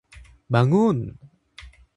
Bangun!